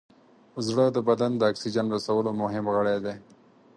زړه د بدن د اکسیجن رسولو مهم غړی دی.